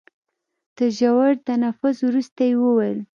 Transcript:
تر ژور تنفس وروسته يې وويل.